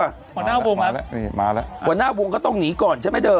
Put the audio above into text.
หัวหน้าวงแล้วนี่มาแล้วหัวหน้าวงก็ต้องหนีก่อนใช่ไหมเธอ